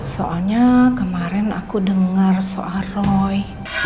soalnya kemarin aku dengar soal roy